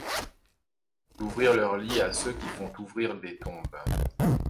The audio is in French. D’ouvrir leurs lits à ceux qui font ouvrir des tombes.